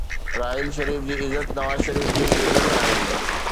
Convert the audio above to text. راحيل شريف جي عزت نواز شريف جي عزت آهي.